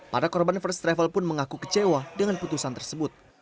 para korban first travel pun mengaku kecewa dengan putusan tersebut